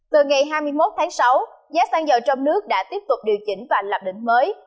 từ ngày hai mươi một tháng sáu giá xăng dầu trong nước đã tiếp tục điều chỉnh và lập đỉnh mới